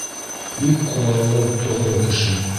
Бик ҡулайлы, тоғро кеше.